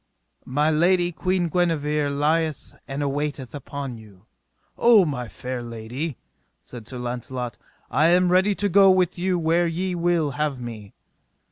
My lady, Queen Guenever, lieth and awaiteth upon you. O my fair lady, said Sir Launcelot, I am ready to go with you where ye will have me.